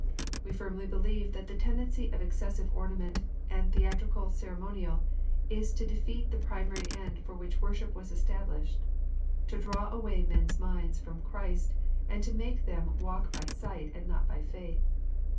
We firmly believe that the tendency of excessive ornament, and a theatrical ceremonial, is to defeat the primary end for which worship was established, to draw away men s minds from Christ, and to make them walk by sight and not by faith.